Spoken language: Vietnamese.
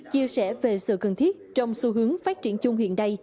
chia sẻ về sự cần thiết trong xu hướng phát triển chung hiện nay